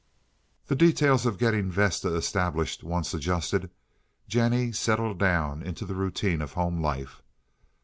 The details of getting Vesta established once adjusted, Jennie settled down into the routine of home life.